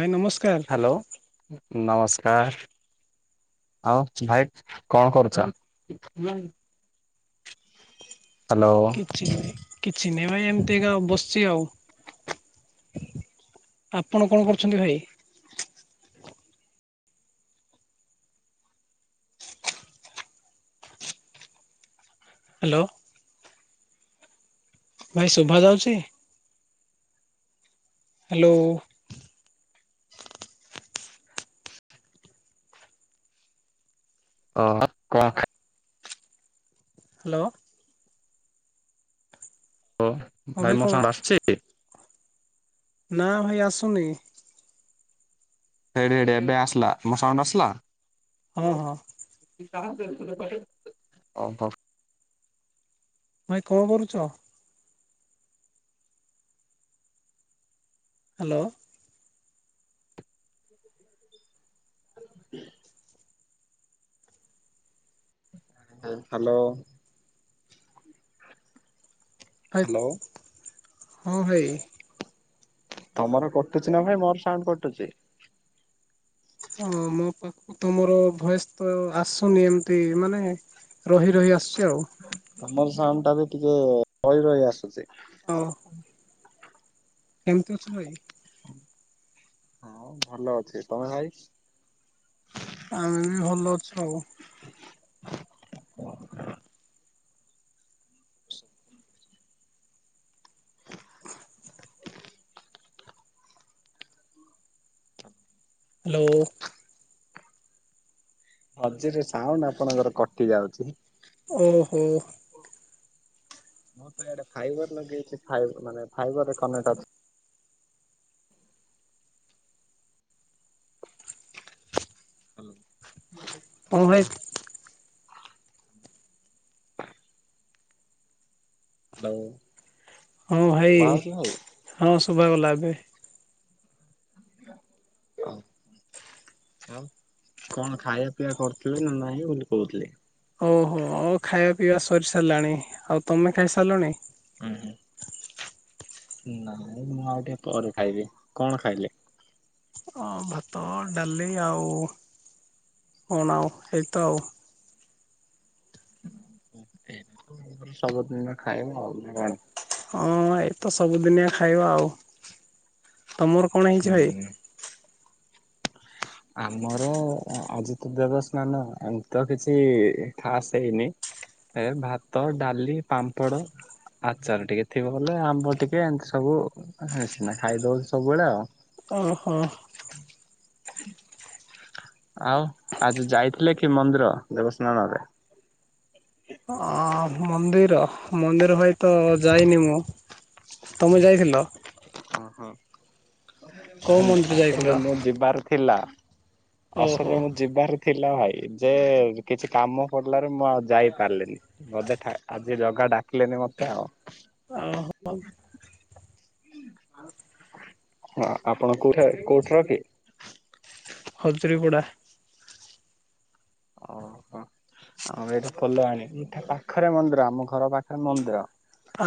ଭାଇ ନମସ୍ ହାଲୋ ନମସ୍କାର। ଆଉ ଭାଇ କଣ କରୁଛ? ହ୍ୟାଲୋ କିଛି ନାଇଁ କିଛି ନାଇଁ ଭାଇ ଏମିତି ଏକା ବସିଛି ଆଉ। ଆପଣ କଣ କରୁଛନ୍ତି ଭାଇ? ହାଲୋ। ଭାଇ ଶୁଭା ଯାଉଛି? ହାଲୋ। ଓ କଣ ଖା ହାଲୋ। ଓ ହଁ ଭାଇ ମୋ କଣ ସାଉଣ୍ଡ ଆସଛି? ନା ଭାଇ ଆସୁନି। ହେଇଟି ହେଇଟି ଏବେ ଆସଲା। ମୋ ସାଉଣ୍ଡ ଆସିଲା? ହଁ, ହଁ। ଓହୋ। ଭାଇ କଣ କରୁଛ? ହ୍ୟାଲୋ। ହଁ ହ୍ୟାଲୋ। ହ୍ୟାଲୋ ଫାଇପ ହଁ ଭାଇ। ତମର କଟୁଚି ନା ଭାଇ, ମୋର ସାଉଣ୍ଡ କଟୁଚି? ହଁ ମୋ ପାଖକୁ ତମର ଭଏସ ତ ଆସୁନି ଏମତି ମାନେ ରହି ରହି ଆସୁଚି ଆଉ। ସାଉଣ୍ଡଟା ବି ଟିକେ ରହି ରହି ଆସୁଛି। ହଉ। କେମତି ଅଛ ଭାଇ? ହଁ ଭଲ ଅଛି। ତମେ ଭାଇ? ଆମେ ବି ଭଲ ଅଛୁ ଆଉ। ହ୍ୟାଲୋ। ମଝିରେ ସାଉଣ୍ଡ ଆପଣଙ୍କର କଟି ଯାଉଛି। ହୁଁ। ମୁଁ ତ ଇଆଡେ ଫାଇବର ଲଗେଇଛି ଫାଇବର ମାନେ ଫାଇବରରେ କନେକ୍ଟ ଅଛି। ହଁ ଭାଇ ହ୍ୟାଲୋ। ହଁ ଭାଇ, ଶୁଭା ଯାଉଛି ହଁ ଶୁଭାଗଲା ଏବେ। ଆଉ କଣ ଖାଇବା ପିଇବା କରୁଥିଲେ ନା ନାହିଁ ବୋଲି କହୁଥିଲି? ଓହୋ, ଆଉ ଖାଇବା ପିଇବା ସରି ସାରିଲାଣି। ଆଉ ତମେ ଖାଇସାରିଲଣି? [unintelligible] ନାଇଁ ମୁଁ ଆଉ ଟିକେ ପରେ ଖାଇବି। କଣ ଖାଇଲେ? ହଁ ଭାତ, ଡାଲି ଆଉ କଣ ଆଉ ଏଇ ତ ଆଉ। ତମର ସବୁଦିନ ଖାଇବ ଆଉ ପୁଣି କଣ? ହଁ ଏଇତ ସବୁଦିନିଆ ଖାଇବା ଆଉ। ତମର କଣ ହେଇଛି ଭାଇ? ହୁଁ। ଆମର ଆଜି ତ ଦେବସ୍ନାନ, ଏମତି ତ କିଛି ଖାସ ହେଇନି। ଏ ଭାତ, ଡାଲି, ପାମ୍ପଡ଼ ଆଚାର ଟିକେ ଥିବ ବଲେ, ଆମ୍ବ ଟିକେ, ଏମତି ସବୁ ଆଉ। ଆମେ ସିନା ଖାଇଦଉଚୁ ସବୁବେଳେ ଆଉ। ଓହୋ। ଆଉ ଆଜି ଯାଇଥିଲେ କି ମନ୍ଦିର ଦେବସ୍ନାନରେ? ଅ ମନ୍ଦିର, ମନ୍ଦିର ଭାଇ ତ ଯାଇନି ମୁଁ। ତମେ ଯାଇଥିଲ? ହଁ ହଁ। କୋଉ ମନ୍ଦିର ଯାଇଥିଲ? ଆକଚୁଆଲି ମୁଁ ଯିବାର ଥିଲା, ଓହୋ ଆସିଲି ମୁଁ ଯିବାର ଥିଲା ଭାଇ, ଯେ କିଛି କାମ ପଡିଲାରୁ ମୁଁ ଆଉ ଯାଇ ପାରିଲିନି। ବୋଧେ ଠା ଆଜି ଜଗା ଡାକିଲେନି ମତେ ଆଉ। ଓ ହଁ। ହଁ ଆପଣ କୋଉଠାକ କୋଉଠାର କି? ହଜୁରୀଗୁଡ଼ା। ଓହୋ। ଆଉ ଏଇଠି ଖୋଲ ଆଣିକି, ଏଠା ପାଖରେ ମନ୍ଦିର ଆମ ଘର ପାଖରେ ମନ୍ଦିର।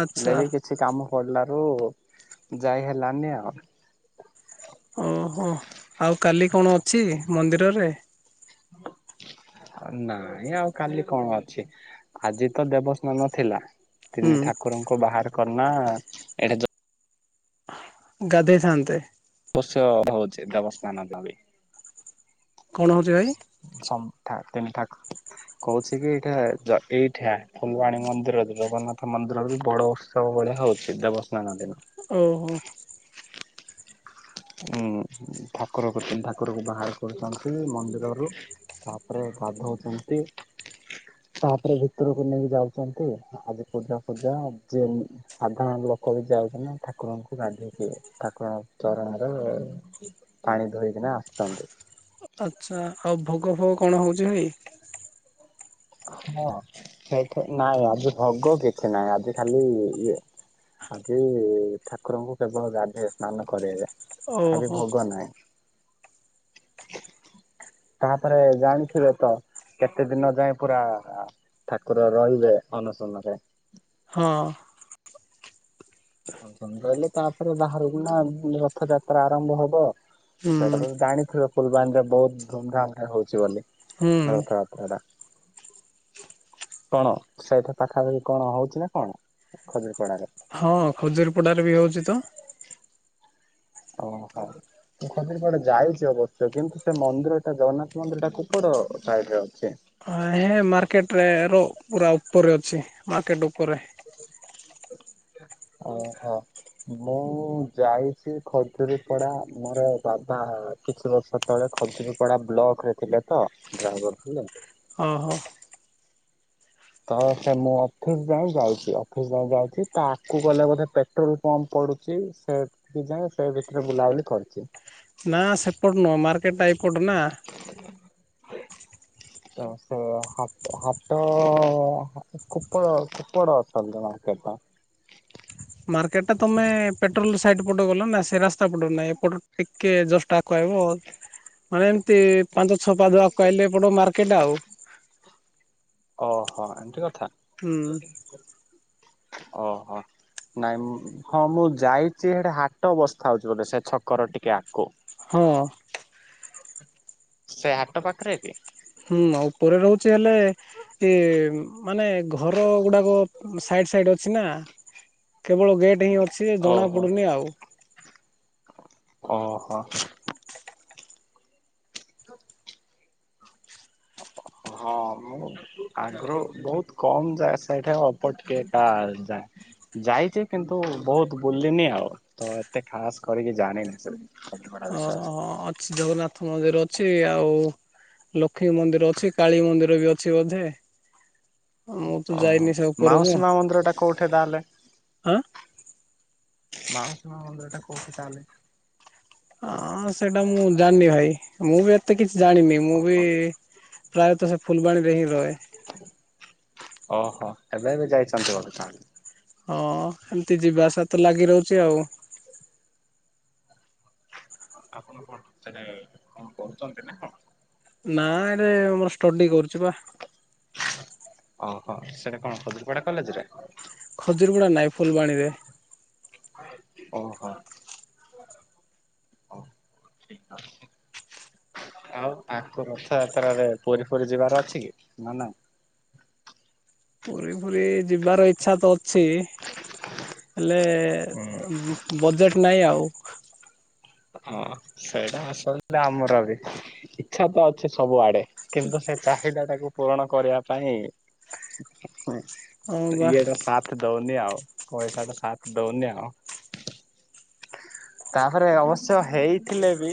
ଆଚ୍ଛା ବି କିଛି କାମ ପଡ଼ିଲାରୁ ଯାଇ ହେଲାନି ଆଉ। ଓହୋ। ଆଉ କାଲି କଣ ଅଛି ମନ୍ଦିରରେ? ନାଇଁ ଆଉ କାଲି କଣ ଅଛି? ଆଜି ତ ଦେବସ୍ନାନ ଥିଲା। ହୁଁ ତିନି ଠାକୁରଙ୍କୁ ବାହାର କରନା, ଏଠି ଯୋଉ ଗାଧେଇଥାଆନ୍ତେ? ଅବଶ୍ୟ ହଉଛି ଦେବସ୍ନାନ ଦିନ ବି। କଣ ହଉଛି ଭାଇ ସମ୍ ଥା ତିନି ଥାକ। କହୁଛି କି ଏଇଟା ଏଇଠା ଫୁଲବାଣୀ ମନ୍ଦିର ଜଗନ୍ନାଥ ମନ୍ଦିର ବି ବଡ ଉତ୍ସବ ଭଳିଆ ହଉଛି ଦେବସ୍ନାନ ଦିନ। ଓହୋ। ଉଁ ଠାକୁର ଠାକୁରକୁ ବାହାର କରୁଛନ୍ତି ମନ୍ଦିରରୁ ତାପରେ ଗାଧଉଛନ୍ତି। ତାପରେ ଭିତରକୁ ନେଇକି ଯାଉଛନ୍ତି, ଆଜି ପୂଜା ଫୂଜା ଯେ ସାଧାରଣ ଲୋ ଲୋକ ବି ଯାଉଛି ନା ଠାକୁରଙ୍କୁ ଗାଧୋଇ ଦିଏ ଠାକୁରଙ୍କ ଚରଣ ଣ ପାଣି ଧୋଇକିନା ଆସିଛନ୍ତି। ଆଛା ଆଉ ଭୋଗ ଫୋଗ କଣ ହଉଛି ଭାଇ? ହଁ ସେଠି ନାଇଁ ଆଜି ଭୋଗ କିଛି ନାଇଁ ଆଜି ଖାଲି ଇଏ। ଆଜି ଠାକୁରଙ୍କୁ କେବଳ ଗାଧବେ ସ୍ନାନ କରାଇବେ। ଆଜି ଓହୋ ଭୋଗ ନାହିଁ। ତାପରେ ଜାଣିଥିବେ ତ କେତେ ଦିନ ଯାଏ ପୁରା ଠାକୁର ରହିବେ ଅନଶଣରେ। ହଁ। ସଞ୍ଜ ହେଲେ ତାପରେ ବାହାରକୁନା ପୁଣି ରଥଯାତ୍ରା ଆରମ୍ଭ ହବ। ହୁଁ ସେଇଟା ତ ଜାଣିଥିବ ଫୁଲବାଣୀରେ ବହୁତ ଧୁମଧାମରେ ହଉଛି ବୋଲି। ହୁଁ ରଥଯାତ୍ରା ଟା। [inaudible] କଣ ସେହିଠି ପାଖାପାଖି କଣ ହଉଛି ନା କଣ ଖଜୁରୀ ପଡାରେ? ହଁ ଖଜୁରୀ ପଡାରେ ବି ହଉଛି ତ ହଁ। ଓହୋ। ମୁଁ ଖଜୁରିପଡା ଯାଇଛି ଅବଶ୍ୟ କିନ୍ତୁ ସେ ମନ୍ଦିରଟା ଜଗନ୍ନାଥ ମନ୍ଦିର ଟା କୁପଡ ସାଇଡ ରେ ଅଛି? ଏ ମାର୍କେଟ ରେ ର ପୁରା ଉପରେ ଅଛି ମାର୍କେଟ ଉପରେ। [inaudible] ଓହୋ। ମୁଁ ଯାଇଛି ଖଜୁରୀ ପଡା ମୋର ବାବା କିଛି ବର୍ଷ ତଳେ ଖଜୁରୀପଡା ବ୍ଲକ ରେ ଥିଲେ ତ ଜବ ଡ୍ରାଇଭର ଥିଲେ। ଓ ହୋ। ତ ସେ ମୁଁ ଅଫିସ ଯାଏ ଯାଇଛି, ଅଫିସ ଯାଏ ଯାଇଛି ତା ଆକୁ ଗଲେ ବୋଧେ ପେଟ୍ରୋଲ ପମ୍ପ ପଡୁଛି ସେଠୁ ଯାଏଁ ସେ ଭିତରେ ବୁଲାବୁଲି କରୁଛି। ନା ସେପଟ ନୁହଁ ମାର୍କେଟ ଟା ଏଇପଟ ନା। ତ ସେ ହା ହାଟ କୋପଡ କୋପଡ ଅଛନ୍ତି। କେଭା। [inaudible] ମାର୍କେଟ ଟା ତମେ ପେଟ୍ରୋଲ ସାଇଟ ପଟୁ ଗଲ ନା ସେ ରାସ୍ତା ପଟୁ ନାହିଁ ଏପଟୁ ଟିକେ ଜଷ୍ଟ ଆଗକୁ ଆଇବ। [unintelligible] ମାନେ ଏମତି ପାଞ୍ଚ ଛ ପାଦ ଆଗକୁ ଆଇଲେ ଏପଟ ମାର୍କେଟ ଆଉ। [inaudible] ଓହୋ ଠିକ୍ ଅ ହୁଁ। ଓହୋ। ନାଇଁ ମୁ ହଁ ମୁଁ ଯାଇଛି ହେଠି ହାଟ ବସ୍ଥା ହଉଛି ସେ ଛକର ଟିକେ ଆଗକୁ। ହଁ। ସେ ହାଟ ପାଖରେ କି? ହୁଁ ଉପରେ ରହୁଛି ହେଲେ ଏ ମାନେ ଘର ଗୁଡାକ ସାଇ ଏକ ସଇଟ୍ ଅଛି ନା କେବଳ ଗେଟ ହିଁ ଅଛି ଯେ ଜଣା ଓହୋ ପଡୁନି ଆଉ। ଓ ହୋ। [inaudible] ହଁ ମୁଁ ଆଗରୁ ବହୁତ କମ ଯାଏ ସେ ସାଇଟ୍ ଅପଟକେଟା ଯାଏ। ଯାଇଛି କିନ୍ତୁ ବହୁତ ବୁଲିନି ଆଉ ତ ଏତେ ଖାସ କରିକି ଜାଣିନି ସେ। କଲିକଟା ଓହୋ ବିଷୟରେ ହଁ ଅଛି ଜଗନ୍ନାଥ ମନ୍ଦିର ଅଛି ଆଉ ଲୋ କ୍ଷ୍ମୀ ମନ୍ଦିର ଅଛି କାଳୀ ମନ୍ଦିର ବି ଅଛି ବୋଧେ। ମୁଁ ତ ଓହୋ ଯାଇନି ସେ ଉପରକୁ ମାଉସୀ ମା ମନ୍ଦିର ଟା କୋଉଠି ତାହେଲେ? ଆଁ ମାଉସୀ ମା ମନ୍ଦିର ଟା କୋଉଠି ତାହେଲେ? ହଁ ସେଇଟା ମୁଁ ଜାଣିନି ଭାଇ ମୁଁ ବି ଏତେ କିଛି ଜାଣିନି ମୁଁ ବି ଓହୋ ପ୍ରାୟତଃ ସେ ଫୁଲବାଣୀରେ ହିଁ ରହେ। ଓହୋ ଏବେ ଏବେ ଯାଇଛନ୍ତି ବୋଧ ତାହେଲେ ହଁ ଏମିତି ଯିବା ଆସିବା ତ ଲାଗି ରହୁଛି ଆଉ। ଆପଣ କଣ କଣ କରୁଛନ୍ତି ନା କଣ? ନା ଏରେ ଆମର ଷ୍ଟଡି କରୁଛି ପା। ଓହୋ ସେଇଟା କଣ ଖଦ୍ରପଡା କଲେଜରେ? ଖଜୁରୀ ଗୁଡା ନାଇଁ ଫୁଲବାଣୀରେ। ଓ ହୋ ହୋଉ ଠିକ୍ ଅଛି। ଆଉ ଆଙ୍କର ରଥଯାତ୍ରାରେ ପୁରୀ ଫୁରୀ ଯିବାର ଅଛି କି ନା ନାଇଁ? [inaudible] ପୁରୀ ଫୁରୀ ଯିବାର ଇଚ୍ଛା ତ ଅଛି। ହେଲେ ତ ବଜେଟ୍ ନାହିଁ ଆଉ। ହଁ ସେଇଟା ଆସା ଆମର ବି ଇଚ୍ଛା ତ ଅଛି ସବୁଆଡେ। କିନ୍ତୁ ସେ ଚାହିଦା ଟାକୁ ପୂରଣ କରିବା ପାଇଁ ହୁଁ ହଁ ବା ଇଆଡେ ସାଥ ଦ ଆଉ ପଇସା ସାଥ ଦଉନି ଆଉ ତାପରେ ଅବ ହେଇଥିଲେ ବି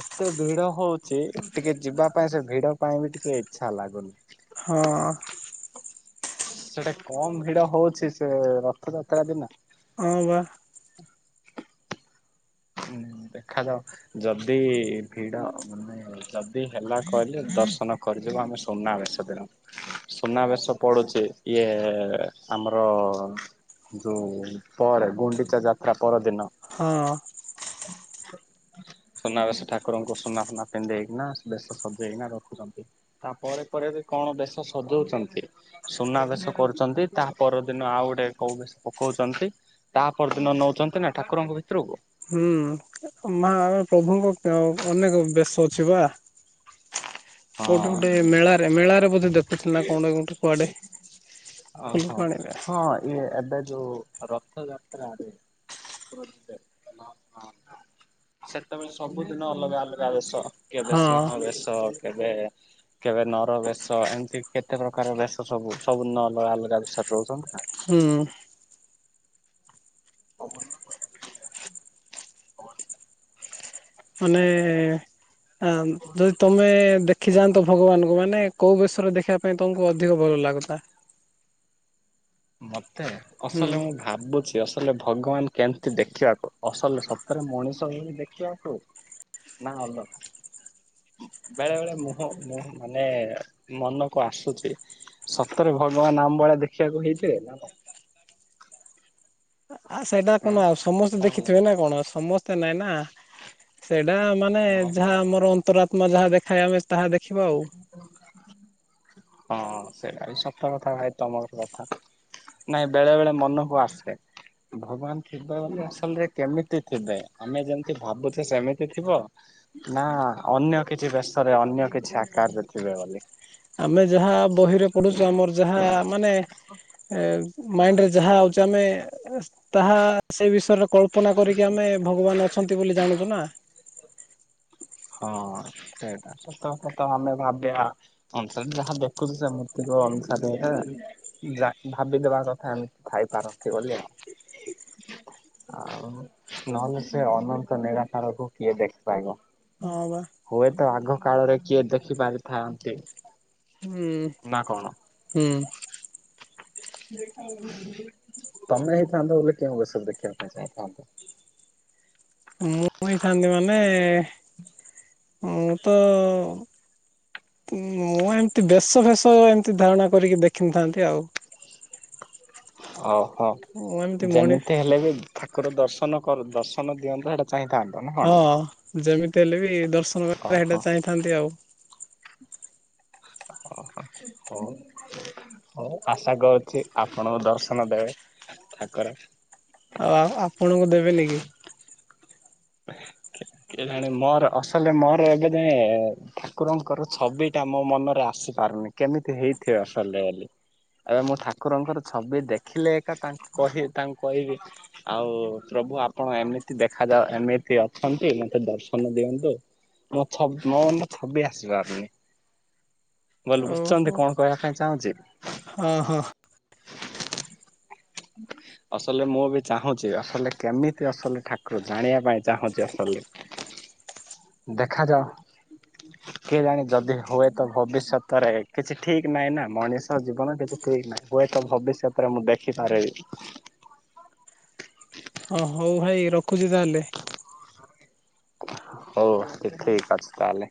ଏତେ ଭିଡ ହଉଛି ଟିକେ ଯିବା ପାଇଁ ସେ ଭିଡ ପାଇଁ ବି ଟିକେ ଇଚ୍ଛା ଲାଗୁନି। ହଁ। ସେଟା କମ୍ ଭିଡ ହଉଛି ସେ ରଥଯାତ୍ରା ଦିନ। ହଁ ବା। ହୁଁ ଦେଖାଯାଉ ଯଦି ଭିଡ ମାନେ ଯଦି ହେଲା ଗଲି ଦର୍ଶନ କରିଦେବେ ଆମେ ସୁନାବେଶ ଧରି ସୁନାବେଶ ପଡୁଛି ଇଏ ଆମର ଯୋଉ ପରେ ଗୁଣ୍ଡିଚା ଯାତ୍ରା ପରଦିନ। ହଁ। [inaudible] ସୁନାବେଶ ଠାକୁରଙ୍କୁ ସୁନା ସୁନା ପିନ୍ଧେଇକିନା ବେଶ ସଜେଇକିନା ରଖୁଛନ୍ତି ତାପରେ ପରେ କଣ ବେଶ ସଜଉଛନ୍ତି ସୁନାବେେଶ କରୁଛନ୍ତି ତା ପରଦିନ ଆଉ ଗୋଟେ କୋଉ ବେଶ କହୁଛନ୍ତି ତା ପରଦିନ ନଉଛନ୍ତି ନା ଠାକୁରଙ୍କ ଭିତରକୁ? ହୁଁ ମା ଆମେ ପ୍ରଭୁଙ୍କ ଅନେକ ବେଶ ଅଛି ପା। କୋଉଠି ହଁ ଗୋଟେ ମେଳାରେ ମେଳାରେ ବୋଧେ ଦେଖୁଥିଲେ ନା କୋଉଠି କୋଉଠି ଗୋଟେ କୁଆଡେ? ଓହୋ ଫୁଲବାଣୀରେ ହଁ ଇଏ ଏବେ ଯୋଉ ରଥଯାତ୍ରା ରେ [unintelligible] ସେତେବେଳେ ସବୁଦିନ ଅଲଗା ଅଲଗା ବେଶ କେବେ ହଁ ସିଂହ ବେଶ କେବେ କେବେ ନର ବେଶ ଏମିତି କେତେ ପ୍ରକାର ବେଶ ସବୁ ସବୁ ନ ଅଲଗା ବିଷୟରେ ରହୁଛନ୍ତି ହୁଁ। [unintelligible] ପୂନେ ହଁ ଯଦି ତମେ ଦେଖିଯାଆନ୍ତ ଭଗବାନଙ୍କୁ ମାନେ କୋଉ ବେଶରେ ଦେଖିବା ପାଇଁ ତମକୁ ଅଧିକ ଭଗବାନ [unintelligible] କତା ମତେ ଅସଲ ମୁଁ ଭାବୁଛି ଅ କହିଲେ ଭଗବାନ କେମତି ଦେଖିବାକୁ? ଅସଲ ଶବ୍ଦରେ ମଣିଷ ହିଁ ଦେଖିବାକୁ? ନା ଅଲ [inaudible] ବେଳେ ବେଳେ ମୁହଁ, ମୁହ ମାନେ ମନକୁ ଆସୁଚି, ସତରେ ଭଗବାନ ଆମ ନା, ଦେଖିବାକୁ ହେଇଥିବେ, ନା କଣ? [inaudible] ଆ ସେଇଟା କଣ ସମସ୍ତେ କଣ ଦେଖିଥିବେ ଲାଗୁଛି ନା କଣ? ସମସ୍ତେ ନାଇଁ ନା ସେ ନା ମାନେ ଯାହା ଆମର ଅନ୍ତରଆତ୍ମା ଯାହା ଦେଖାଏ, ଆମେ ତାହା ଦେଖିବା ଆଉ। ହଁ ସେଇଟା ବି ସତ କଥା ଭାଇ। ତମର କଥା। ନାଇଁ ବେଳେ ବେଳେ ମନକୁ ଆସେ। ଭଗବାନ ଥିବେ ବୋଲି ଅସଲରେ କେମିତି ଥିବେ? ଆମେ ଯେମିତି ଭାବୁଚେ ସେମିତି ଥିବ ନା ଅନ୍ୟ କିଛି ବେଶରେ ଅନ୍ୟ କିଛି ଆକାରରେ ଥିବେ ବୋଲି? ଆମେ ଯାହା ବହିରେ ପଢୁଚୁ, ଆମର ଯାହା ମାନେ ଏ ମାଇଣ୍ଡରେ ଯାହା ଆଉଚି, ଆମେ ତାହା ସେ ବିଷୟରେ, କଳ୍ପନା କରିକି ଆମେ, ଭଗବାନ ଅଛନ୍ତି ବୋଲି ଜାଣୁଚୁ ନା। ହଁ ସେଇଟା ସତ, ସତ କଥା ଆମେ ଭାବିଆ ଅନ୍ତତଃ ଯାହା ଦେଖୁଚୁ ସେ ମୁର୍ତ୍ତିକୁ ଯାହା ଭାବିଦବା କଥା ଏମିତି ଥାଇପାରନ୍ତି ବୋଲି ଆଉ। [inaudible] ଆଉ ନହେଲେ, ସେ ଅନନ୍ତ ନିଳାକାରକୁ କିଏ ଦେଖିପାରିବ। ହଁ ବା। ତ ଆଗ କାଳରେ କିଏ ଦେଖି ପାରିଥାନ୍ତି। ହୁଁ ନା କଣ? ହୁଁ। ତମେ ହେଇଥାନ୍ତ ବେଲେ କେଉଁ ବେଶ ଦେଖିବା ପାଇଁ ଚାହିଁଥାନ୍ତ? ମୁଁ ହେଇଥାନ୍ତି ମାନେ ମୁଁ ତ ମୁଁ ଏମିତି, ବେଶ ଫେଶ ଏମତି ଧାରଣା କରିକି, ଦେଖିନଥାନ୍ତି ଆଉ। [inaudible] ଓହୋ। ମୁଁ ଏମିତି ମଣି ଯେମିତି ହେଲେ ବି ଠାକୁର ଦର୍ଶନ କରୁ- ଦର୍ଶନ ଦିଅନ୍ତେ ହେଟା ହଁ ଯେମିତି ହେଲେ ବି ଦର୍ଶନ ଓହୋ କରିବା ପାଇଁ ଚାହିଁଥାନ୍ତି ଆଉ। ଓହୋ, ହଉ। ହଉ ଆଶା କରୁଚି, ଆପଣଙ୍କୁ ଦର୍ଶନ ଦେବେ ଠାକୁର। ଆଉ ଆପଣଙ୍କୁ [inaudible] କେଜାଣି ମୋର ଅସଲ ମୋର ଏବେ ଯାଏ, ଠାକୁରଙ୍କର ଛବିଟା ମୋ ମନରେ ଆସ ସି, ପାରୁନି କେମିତି ହେଇଥିବ ଅସଲରେ ବୋଲି? ଏବେ ମୁଁ ଠାକୁରଙ୍କର ଛବି ଦେଖିଲେ, ଏକା ତାଙ୍କୁ କି ତାଙ୍କୁ କହିବି ଆଉ, ପ୍ର ଭୁ, ଆପଣ ଏମିତି ଦେଖାଯାଉ- ଏମିତି ଅଛନ୍ତି ମତେ ଦର୍ଶନ ଦିଅନ୍ତୁ। ମୋ ଛବ- ମୋ ମନେ ଛବି ଆସି ପାରୁନି। ଓହୋ। ପାଇଁ ଚାହୁଁଛି? ହଁ ହଁ। [inaudible] ଅସଲରେ ମୁଁ ବି ଚାହୁଁଚି, ଅସଲ କେମିତି ଆସନ୍ତି ଠାକୁର ଜାଣିବା ପାଇଁ, ଚାହୁଁଚି ଅସଲରେ। [inaudible] ଦେଖାଯାଉ କିଏ ଜାଣେ ଯଦି ହୁଏ ତ ଭବିଷ୍ୟତରେ କିଛି ଠିକ୍ ନାହିଁ ନା, ମଣିଷ ଜୀବନ କିଛି ଠିକ୍ ନାହିଁ। ହୁଏତ ଭବିଷ୍ୟତରେ ମୁଁ ଦେଖିପାରିବି। ହଁ ହଉ ଭାଇ ରଖୁଚି ତାହେଲେ? ହଉ ଠିକ୍ ଅଛି ତାହେଲେ।